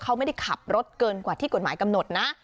เขาไม่ได้ขับรถเกินกว่าที่กฎหมายกำหนดนะ